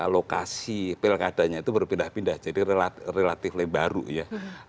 lokasi pilkadanya itu berpindah pindah jadi relatif baru ya